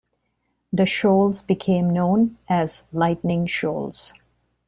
The shoals became known as "Lightning Shoals".